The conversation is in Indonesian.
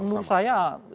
menurut saya sedikit banyak